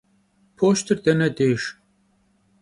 Poştır dene dêjj?